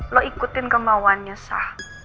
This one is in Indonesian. lu ikutin kemauannya sal